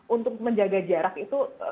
untuk menjaga jarak itu